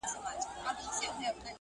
نه یو غزله جانانه سته زه به چیري ځمه.!